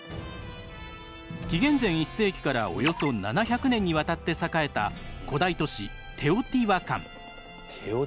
紀元前１世紀からおよそ７００年にわたって栄えたテオティワカン。